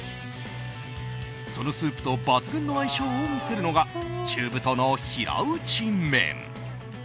そのスープと抜群の相性を見せるのが中太の平打ち麺。